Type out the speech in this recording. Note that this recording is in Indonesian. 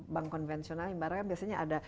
bank konvensional biasanya ada